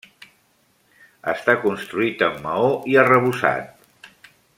Està construït amb maó i arrebossat.